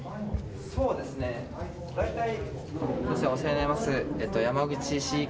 お世話になります。